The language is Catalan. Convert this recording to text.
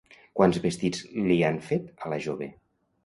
Quants vestits li han fet a la jove?